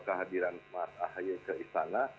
kehadiran mas ahaye ke istana